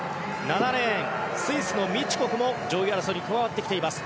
７レーン、スイスのミチュコフも上位争いに加わっている。